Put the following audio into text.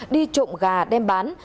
đi trộm gà đem bán